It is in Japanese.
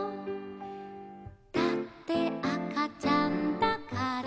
「だってあかちゃんだから」